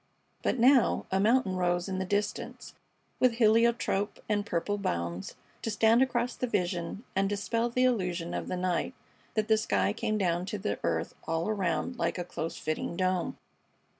But now a mountain rose in the distance with heliotrope and purple bounds to stand across the vision and dispel the illusion of the night that the sky came down to the earth all around like a close fitting dome.